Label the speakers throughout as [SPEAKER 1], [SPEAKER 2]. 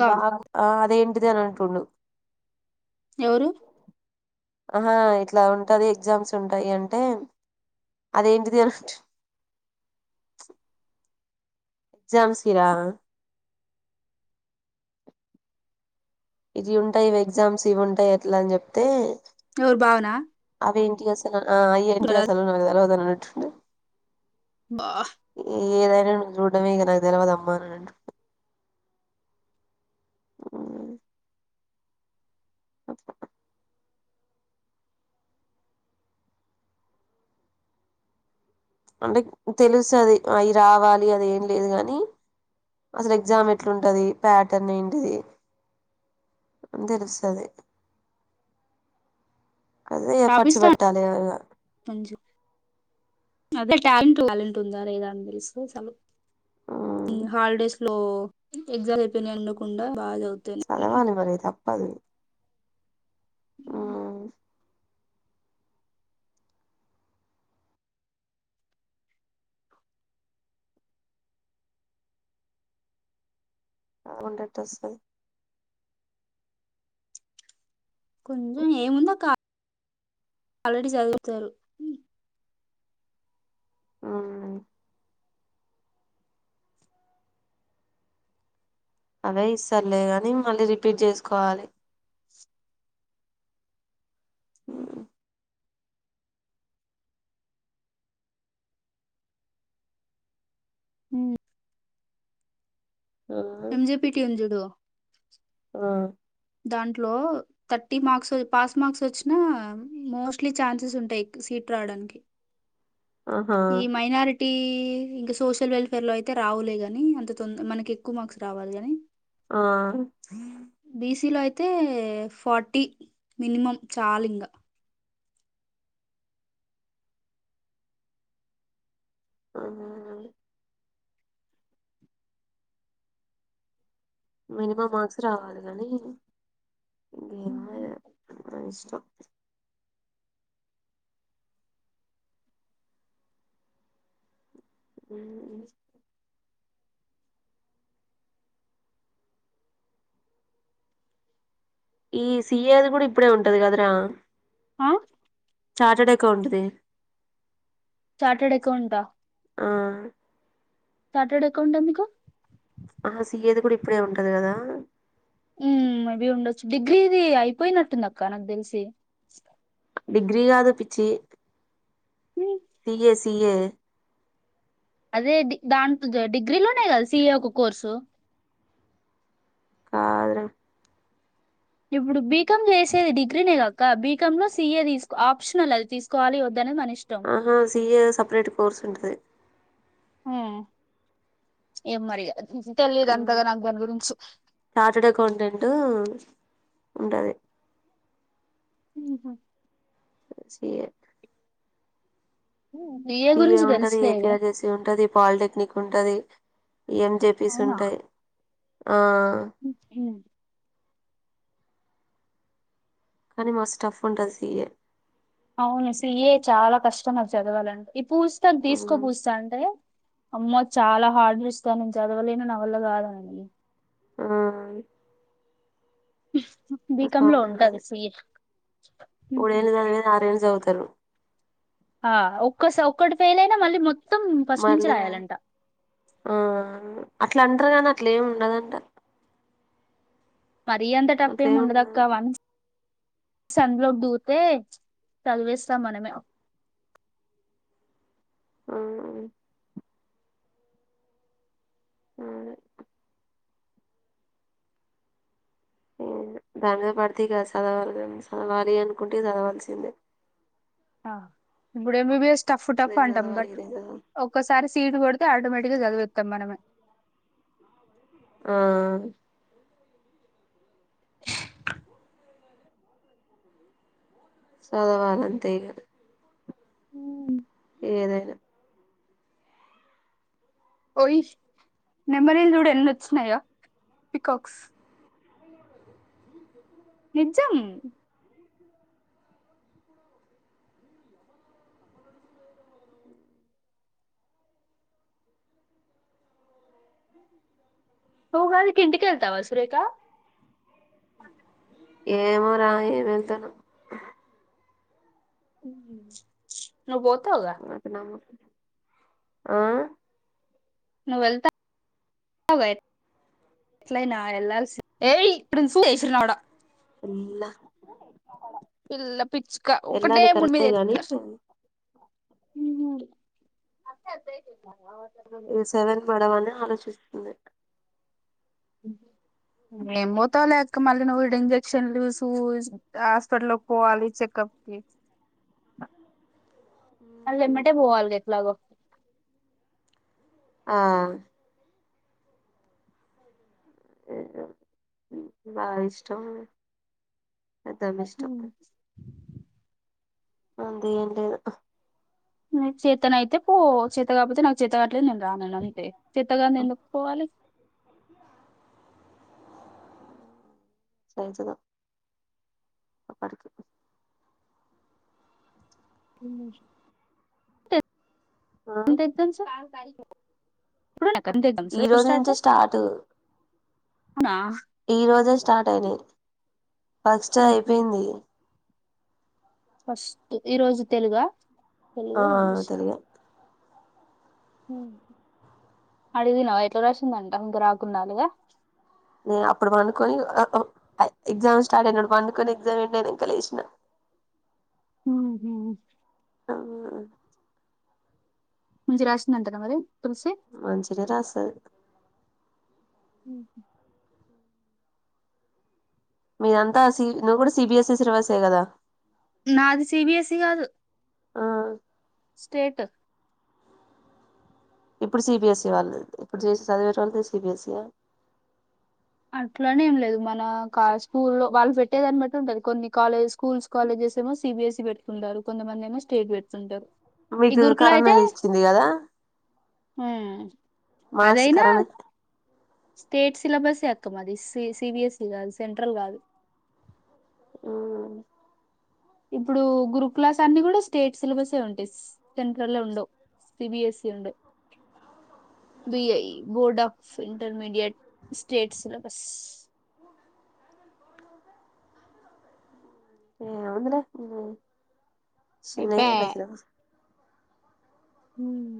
[SPEAKER 1] కా
[SPEAKER 2] ఆ అదేంటి ఇదనన్ టుండు
[SPEAKER 1] ఎవరు
[SPEAKER 2] ఆహా ఇట్లా ఉంటది ఎగ్జామ్స్ ఉంటాయి అంటే అదేంటిది అని ఎగ్జామ్స్ రా ఇవి ఉంటాయి ఇవి ఎగ్జామ్స్ ఇవి ఉంటాయి అట్లా అని చెప్తే
[SPEAKER 1] ఎవరు బావనా
[SPEAKER 2] అవి ఏంటి అసలా ఆ అయ ఏంటి అసలు నాకు తెలవద్ దననటుంది
[SPEAKER 1] బా
[SPEAKER 2] ఏదైనా నువ్ చూడ్డమే ఇక నాకు తెలవదమా అని అంటుండు ఊ అంటే తెలుస్తది అయ్యి రావాలి అది ఏం లేదు కానీ అసలు ఎగ్జామ్ ఎట్లుంటది ప్యాటర్న్ ఏంటిది అని తెలుస్తుంది అదే ఎఫర్ట్స్
[SPEAKER 1] రాపిస్తా
[SPEAKER 2] పెట్టాలి కదా ఇగ
[SPEAKER 1] మంచి అదే టాలెంటు టాలెంట్ ఉందా లేద అని తెలిస్తే చాలు
[SPEAKER 2] మ్మ్
[SPEAKER 1] ఊ హాలిడేస్ లో ఎగ్జాల్ అయిపోయినయి అండకుండా
[SPEAKER 2] సధవాలి మరి తప్పదు ఆ అగుంట ఎట అస్తది
[SPEAKER 1] ఏముందో కా ఆల్రెడీ చదువుతారు ఉ
[SPEAKER 2] ఆ అదే ఇస్తర్లే కాని మళ్ళీ రిపీట్ చేసుకోవాలి
[SPEAKER 1] ఊ
[SPEAKER 2] ఆ
[SPEAKER 1] ఎంజిపిటి ఉంది చూడు
[SPEAKER 2] ఆ
[SPEAKER 1] దాంట్లో థర్టీ మార్క్స్ పాస్ మార్క్స్ వచ్చినా మోస్ట్లీ ఛాన్సెస్ ఉంటాయి సీట్ రావడానికి
[SPEAKER 2] ఆహా
[SPEAKER 1] ఈ మైనారిటీ ఇంకా సోషల్ వెల్ఫేర్ లో అయితే రావులేగాని అంత తొంద మనకి ఎక్కువ మార్క్స్ రావాలి గాని
[SPEAKER 2] ఆ
[SPEAKER 1] తే ఫార్టీ మినిమం చాలింగ
[SPEAKER 2] ఆహా మినిమం మార్క్స్ రావాలి కానీ [unintelligible] మ్మ్ ఈ సిఏది కూడా ఇప్పుడే ఉంటది కదరా
[SPEAKER 1] ఆ
[SPEAKER 2] చార్టెడ్ ఎకౌంట్ ది
[SPEAKER 1] చార్టెడ్ అకౌంట్ ద
[SPEAKER 2] ఆ
[SPEAKER 1] చార్టెడ్ అకౌంట్ ఎందుకు
[SPEAKER 2] ఆ సీఏది కూడా ఇప్పుడే ఉంటది కదా
[SPEAKER 1] ఉ అవి ఉండొచ్చు డిగ్రీది అయిపోయినట్టుంది అక్క నాకు తెలిసి
[SPEAKER 2] డిగ్రీ కాదు పిచ్చి
[SPEAKER 1] ఉమ్,
[SPEAKER 2] సిఎస్ తీయ
[SPEAKER 1] అదే దాంట్ డిగ్రీలోనే కదా సీఏ ఒక కోర్సు
[SPEAKER 2] కదరా
[SPEAKER 1] ఇప్పుడు బీకాం చేసేది డిగ్రీనే గక్క బీకామ్ లో సీఏ తీసుకో ఆప్షనల్ అది తీసుకోవాలి వద్ద
[SPEAKER 2] ఆహా సీఏ సెపరేట్ కోర్స్ ఉంటది
[SPEAKER 1] హ్మ్ ఏ మరి గాదు
[SPEAKER 2] చార్టడ్ అకౌంటెంట్టు ఉంటది
[SPEAKER 1] ఉహు
[SPEAKER 2] సిఎ
[SPEAKER 1] సిఏ
[SPEAKER 2] ఏ
[SPEAKER 1] గురించి
[SPEAKER 2] ముంటది
[SPEAKER 1] తెలుసులేగా
[SPEAKER 2] ఏపీర్జెసి ఉంటది పాలిటెక్నిక్ ఉంటది ఎంజెపీస్
[SPEAKER 1] అవునా
[SPEAKER 2] ఉంటయి
[SPEAKER 1] [inaudible]
[SPEAKER 2] కానీ మస్ టఫ్ ఉంటది సిఎ
[SPEAKER 1] అవును సిఎ చాలా కష్టం అది చదవాలంటే ఈ పూజితకి తీసుకో
[SPEAKER 2] మ్మ్
[SPEAKER 1] పూజిత అంటే అమ్మో చాలా హార్డ ఇస్తా నేను చదవలే న నావల్ల కాదు అనింది
[SPEAKER 2] ఆ
[SPEAKER 1] బీకామ్ లో ఉంటాంది సి ఏ.
[SPEAKER 2] మూడు ఏళ్లు చదువేది అరు ఏళ్లు చదువుతాం. తరు.
[SPEAKER 1] ఆ ఒక్కస ఒక్కటి ఫెయిల్ అయినా మళ్ళీ మొత్.
[SPEAKER 2] మళ్ళీ రాయాలి ఆవును. అట్లా అంటారు కానీ అట్ల ఏమి ఉండదంట.
[SPEAKER 1] మరి‌ అంత టఫ్ ఏమి
[SPEAKER 2] అట్లేమి ఉండదు
[SPEAKER 1] ఉండదక్కాఒన్స్. సన్లోకి దూతే చదివేస్తాం మనమే.
[SPEAKER 2] అవునవును. అవును. ఏమి లే దానిమీద పడితే గాదు చదవాల చదవాలి అనుకుంటే చదవాల్సిందే.
[SPEAKER 1] ఆ ఇప్పుడు ఎంబిబిఎస్. టఫ్ టఫ్
[SPEAKER 2] ఇదే
[SPEAKER 1] అంటాం
[SPEAKER 2] చదవాలి
[SPEAKER 1] బట్
[SPEAKER 2] ఇదే చదవాలి
[SPEAKER 1] ఒక్కసారి సీటు కొడితే. ఆటోమేటిక్గా చదివేతం మనమే.
[SPEAKER 2] ఆ. చదవాలె అంతే ఇగ.
[SPEAKER 1] హుమ్మ్.
[SPEAKER 2] ఏదయినా.
[SPEAKER 1] ఓయ్ నెమలిల్ చూడు ఎన్నొచ్చినాయా పికాక్స్. నిజం. నువ్వు గాని కిందికి వెళ్తావా సురేఖ.
[SPEAKER 2] ఏమో రా ఎంవెళ్తనో.
[SPEAKER 1] ఉహూ. నువ్ పోతావుగా.
[SPEAKER 2] నాకు నమ్మకం ఆ.
[SPEAKER 1] ఎట్లైన ఎళ్ళాల్సింద్.
[SPEAKER 2] ఉల్లా.
[SPEAKER 1] పిల్ల పిచ్చుక, ఒకటే గూడు మీద
[SPEAKER 2] కరెక్టే గాని
[SPEAKER 1] ఎక్కుతంది. ఉహ్మ్.
[SPEAKER 2] ఇగ సేవేన్ పడవనే ఆలోచి. చిస్తుంది.
[SPEAKER 1] ఏం పోతావులే అక్క, మళ్ళీ నువ్వు ఇడ ఇంజక్షన్ లు సు హాస్పిటల్ పోవాలి చెకప్ కి. మళ్ళీ ఎమ్మట పోవాలి ఎట్లాగో.
[SPEAKER 2] ఆ. బా ఇష్టం పెద్దమ్మ ఇష్టం.
[SPEAKER 1] కావచ్చు.
[SPEAKER 2] అంతే ఏం లేదు.
[SPEAKER 1] నిక్ చేతనైతే పో, చేత కాకపోతే నాకు చేత కావట్లేదు నేను రానును అంతే. చేత గాందీ ఎందుకు పోవాలె.
[SPEAKER 2] [inaudible] అప్పటికి
[SPEAKER 1] [unintelligible]
[SPEAKER 2] ఆ
[SPEAKER 1] అంటే ఎంతొచ్చు
[SPEAKER 2] ఈ రోజు నుంచే స్టార్ట్
[SPEAKER 1] అవునా
[SPEAKER 2] ఈ రోజే స్టార్ట్ అయినాయి ఫస్ట్
[SPEAKER 1] ఉహు.
[SPEAKER 2] అయిపోయింది
[SPEAKER 1] ఫస్ట్ ఈ రోజు తెలుగా తెలుగు
[SPEAKER 2] ఆహ్ తెలుగే
[SPEAKER 1] అడిగినావా ఎట్లా రాసిందంట, ఇంకా రాకున్న వే
[SPEAKER 2] నేను అప్పుడు పండుకొని ఎగ్జామ్ స్టార్ట్ అయినప్పుడు పండుకొని ఎగ్జామ్ ఎండ్ అయినాక లేసిన
[SPEAKER 1] హహూ హు
[SPEAKER 2] [unintelligible]
[SPEAKER 1] మంచిగా రాసిందంటానా మరి తులసి
[SPEAKER 2] మంచిగానే రాస్తాది
[SPEAKER 1] ఉహు.
[SPEAKER 2] మీదంతా సి, నువ్వు కూడా సిబిఎస్ఈ సిలబస్ ఆ కదా
[SPEAKER 1] నాది సిబి స్ సి కాదు
[SPEAKER 2] ఆ
[SPEAKER 1] స్టేట్
[SPEAKER 2] ఇప్పుడు సిబిఎస్ఈ వాళ్ళది ఇప్పుడు చేసిన చదివేటోళ్ళది సిబిఎస్ఈ ఆ
[SPEAKER 1] అట్లనే ఏం లేదు మన కా స్కూల్లో వాళ్ళు పెట్టే దాన్ని బట్టి ఉంటది కొన్ని కాలజస్ స్కూల్స్ కాలేజెస్ ఏమో సిబిఎసి పెడుతుంటారు కొంతమంది ఏమో స్టేట్ పెడుతుంటారు ఈ
[SPEAKER 2] మీకు కరోనా ఇచ్చింది కదా
[SPEAKER 1] ఆ
[SPEAKER 2] మాస్ కరణ
[SPEAKER 1] స్టేట్ సిలబసే అక్క మాది సి సిబిఎస్ఈ గాదు సెంట్రల్ గాదు
[SPEAKER 2] ఊమ్
[SPEAKER 1] ఇప్పుడు గురు క్లాస్ అన్ని కూడా స్టేట్ సిలబస్ ఏ ఉంటాయి సెంట్రల్ ఉండవు సిబిఎసి ఉండయ్ BI board of intermediate state syllabus
[SPEAKER 2] ఏ వుందిలే ఊమ్ చినే
[SPEAKER 1] అయిపా
[SPEAKER 2] ఏ గా సిలబస్
[SPEAKER 1] ఊమ్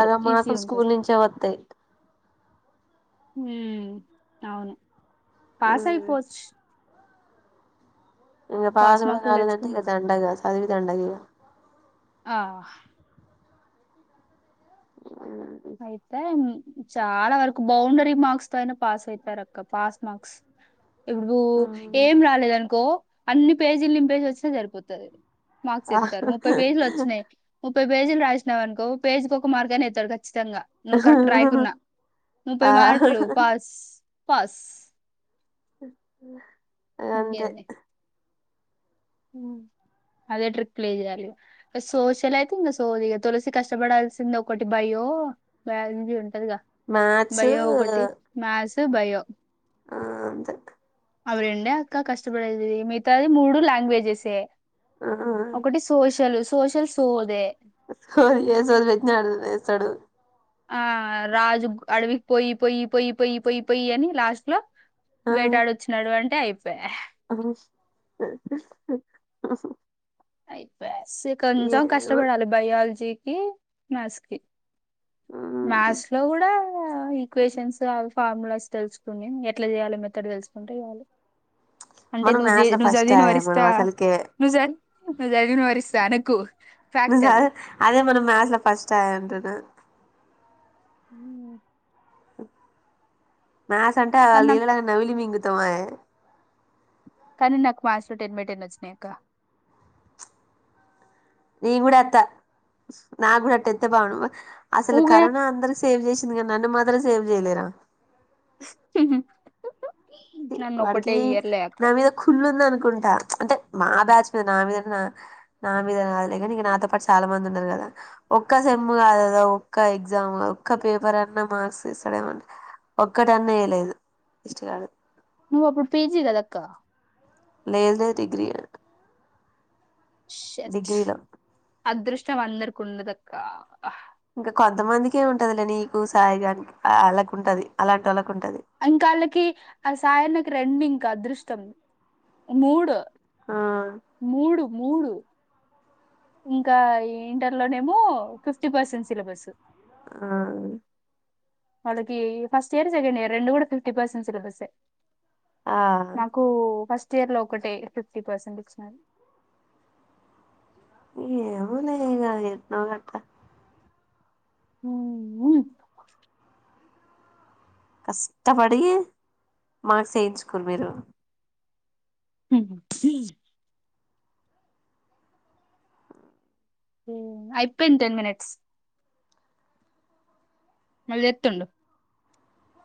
[SPEAKER 2] అల మార్కులు స్కూల్ నుంచే వత్తయి
[SPEAKER 1] ఊమ్ అవును
[SPEAKER 2] మ్మ్
[SPEAKER 1] పాసయిపోచ్చు
[SPEAKER 2] ఇంగ పాస్ కూడా
[SPEAKER 1] మార్కులు
[SPEAKER 2] కాలేదంటే
[SPEAKER 1] తెచ్చుకుని
[SPEAKER 2] ఇగ దండగ చదివి దండగ ఈగ
[SPEAKER 1] ఆ
[SPEAKER 2] [inaudible]
[SPEAKER 1] అయితే చాలా వరకు బౌండరీ మార్క్స్ తో అయినా పాస్ అయితారక్క పాస్ మార్క్స్ ఇప్పుడు
[SPEAKER 2] మ్మ్
[SPEAKER 1] ఏం రాలేదనుకో అన్ని పేజీలు నింపేసి వచిన్న సరిపోతది మార్క్స్
[SPEAKER 2] ఆ
[SPEAKER 1] ఏత్తరు ముప్పై పేజీలు వచ్చినయ్ ము ముప్పై పేజీలు రాసినవనుకో పేజికొక్కు మార్క్ అయినా ఎత్తడు క చ్చితంగా నువ్వు కరెక్ట్ రాయకున్నా
[SPEAKER 2] ఆ
[SPEAKER 1] ముప్పై మార్కులు పాస్ పాస్
[SPEAKER 2] [inaudible] అంతే
[SPEAKER 1] ఇంకేంది ఆ అదే ట్రిక్ ప్లే జేయాలి ఇగ సోషల్ అయితే ఇంగ సోది ఇంగ తులసి కష్టపడాల్సింది ఒకటి భయో బయలాజీ టదిగా
[SPEAKER 2] మ్యాథ్స్
[SPEAKER 1] బయె ఒకటి మ్యస్ సూ భయో
[SPEAKER 2] ఆ అంతె
[SPEAKER 1] అవీ రెండే అక్క కష్టపడేది మిగతాది మూడు లాంగ్వేజ్ జేసే
[SPEAKER 2] ఆ
[SPEAKER 1] ఒకటి సోషలు సో సోషల్ సోదే
[SPEAKER 2] సోది ఏ సోది పెట్టినా ఆడు ఏస్తాడు
[SPEAKER 1] ఆ రాజు అడవికి పోయి పోయి పోయి పోయి పోయి పోయి అని లాస్ట్ ల వేటాడొచ్చినాడు అన్ టే అయిపాయె
[SPEAKER 2] ఆ
[SPEAKER 1] అయిపాయ్ స్ కొంచెం
[SPEAKER 2] ఏమో
[SPEAKER 1] కష్టపడాలి బయల్జీ కి మ్యాస్ కి
[SPEAKER 2] ఉమ్.
[SPEAKER 1] మ్యాథ్స్ లో కూడా ఈక్వేషన్స్ అవి ఫార్ములాస్ తెలుసుకుని ఎట్లా చేయాలి మెథడ్ తెలుసుకుంటే చాలు అంటే
[SPEAKER 2] మనం
[SPEAKER 1] నువ్ జి
[SPEAKER 2] మ్యాథ్స్ లో
[SPEAKER 1] నువ్
[SPEAKER 2] ఫస్ట్
[SPEAKER 1] చదీవీనవ
[SPEAKER 2] ఆయే మనం
[SPEAKER 1] రిస్తా
[SPEAKER 2] అసలుకే
[SPEAKER 1] నువ్ జర్ నువ్ చదివినవ రిస్తా అనకు
[SPEAKER 2] నీజ్
[SPEAKER 1] ఫ్యాక్ట్ అది
[SPEAKER 2] అదే మనం మ్యస్ ల ఫస్ట్ ఆయె అంటున్నా
[SPEAKER 1] హ
[SPEAKER 2] మ్యస్ అంటే
[SPEAKER 1] కానీ
[SPEAKER 2] అ
[SPEAKER 1] నాకు
[SPEAKER 2] నీళళ్ళ నవిలి మింగ తమై
[SPEAKER 1] కానీ నాకు మ్యాత్స్ లో టెన్ బై టెన్ వచ్చినయక్క
[SPEAKER 2] నీ కూడా అత్త నా కూడా అట్ట ఎంతె బాగుండ్మా అసలు
[SPEAKER 1] ఊగా
[SPEAKER 2] కరోనా అందరు సేవ్ చేస్ సింది గానీ నన్ను మాత్రం సేవ్ చేయలేరా
[SPEAKER 1] నన్ను ఒకటే
[SPEAKER 2] వాడికి
[SPEAKER 1] ఇయర్లే అక్క
[SPEAKER 2] నా మీద కుల్లు ఉందనుకుం అంటే మా బ్యాచ్ మీద నా మీద నా మీద కాదులే కానీ ఇక నాతో పాటు చాలా మంది ఉన్నారు కదా ఒక్క సెమ్ కాదు కదా ఒక్క ఎగ్జామ్ ఒక్క పేపర్ అన్నా మార్క్స్ ఏస్తాడ ఏమంట ఒక్కట అన్నా వేయలేదు వెస్ట్ గాడు
[SPEAKER 1] నువ్వు అప్పుడు పీజీ కాదక్కా
[SPEAKER 2] లేదులే డిగ్రీ ఆ
[SPEAKER 1] షట్
[SPEAKER 2] డిగ్రీలో
[SPEAKER 1] అదృష్టం అందరకుండదక్క
[SPEAKER 2] ఇంకా కొంతమందికిే ఉంటదిలే నీకు సాయిగానికి అళ్ళకు ఉంటది అలాంటి వాళ్కు ఉంటది
[SPEAKER 1] ఇంకా వాళ్ళకి ఆ సాయన్న కి రెండు ఇంకా అదృష్టం మూడు
[SPEAKER 2] ఆ
[SPEAKER 1] మూడు మూడు ఇంకా ఇంటర్ లోనేమో ఫిఫ్టీ పర్సెంట్ సిలబస్
[SPEAKER 2] ఆ
[SPEAKER 1] వాళ్ళకి ఫస్ట్ ఇయర్ సెకండ్ ఇయర్ రెండు కూడా ఫిఫ్టీ పర్సెంట్ సిలబస్సే
[SPEAKER 2] ఆ ఆ
[SPEAKER 1] నాకు ఫస్ట్ ర్ లో ఒకటే ఫిఫ్టీ పర్సెంట్ వచ్చినది
[SPEAKER 2] ఏమో లే ఇగ అట్నో గట్ల
[SPEAKER 1] హ్మ్మ్
[SPEAKER 2] కష్టపడి మార్క్ ఏఇంచుకూరు మీరు
[SPEAKER 1] అయిపోయిను టెన్ మీనిట్స్ మళ్ళీ చెట్టుండు